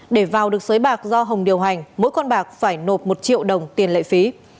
để vào được xới bạc do hồng điều hành mỗi con bạc phải nộp một triệu đồng tiền lệ phí